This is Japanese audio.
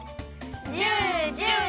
ジュージュー！